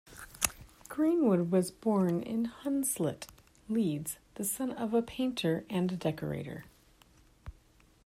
Greenwood was born in Hunslet, Leeds, the son of a painter and decorator.